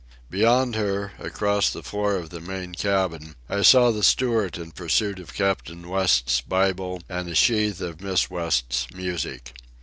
Beyond her, across the floor of the main cabin, I saw the steward in pursuit of Captain West's Bible and a sheaf of Miss West's music.